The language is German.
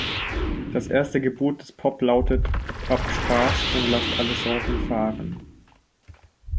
Das erste Gebot des Pop lautet: „Habt Spaß und lasst alle Sorgen fahren“.